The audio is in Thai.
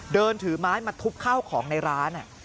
เดินถือไม้มาทุบข้าวของในร้าน